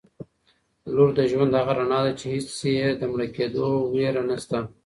لور د ژوند هغه رڼا ده چي هیڅکله یې د مړ کيدو وېره نسته.